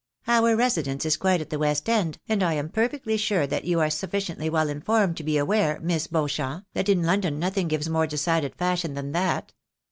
Our residence is quite at the West End, and I am perfectly sure that you are suf ficiently well informed to be aware. Miss Beauchamp, that in London nothing gives more decided fashion than that.